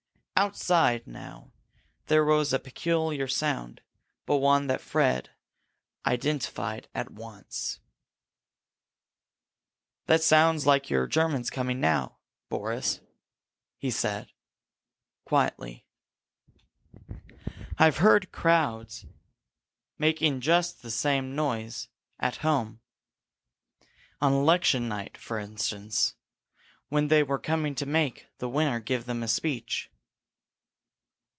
Outside now there rose a peculiar sound, but one that Fred identified at once. "That sounds like your Germans coming now, Boris," he said, quietly. "I've heard crowds making just that same noise at home on election night, for instance, when they were coming to make the winner give them a speech."